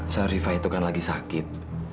syarifah itu kan lagi sakit